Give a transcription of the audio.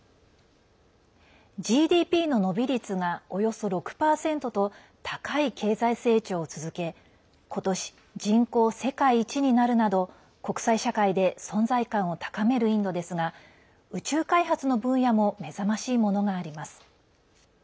ＧＤＰの伸び率がおよそ６％と高い経済成長を続け今年、人口世界一になるなど国際社会で存在感を高めるインドですが宇宙開発の分野も目覚ましいものがあります。